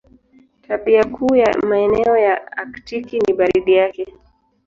Tabia kuu ya maeneo ya Aktiki ni baridi yake.